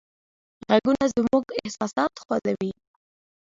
غږونه زموږ احساسات خوځوي.